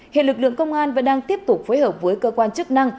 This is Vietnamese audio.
hiện lực lượng công an vẫn đang tiếp tục phối hợp với cơ quan chức năng